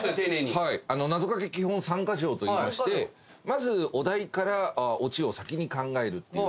「なぞかけ基本三ヶ条」といいましてまずお題からオチを先に考えるっていう。